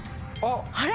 あれ？